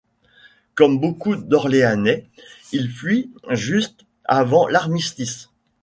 Comme beaucoup d'Orléanais, il fuit juste avant l'armistice.